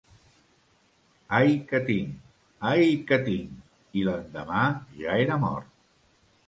Ai què tinc!, ai què tinc!, i l'endemà ja era mort.